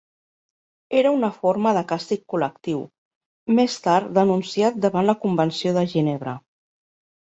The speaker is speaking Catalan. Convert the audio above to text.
Era una forma de càstig col·lectiu, més tard denunciat davant la Convenció de Ginebra.